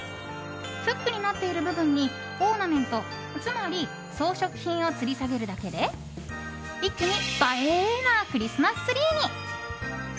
フックになっている部分にオーナメントつまり装飾品をつり下げるだけで一気に映えなクリスマスツリーに。